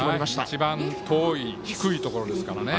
一番遠い低いところですからね。